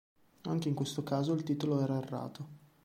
Anche in questo caso il titolo era errato.